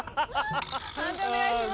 判定お願いします。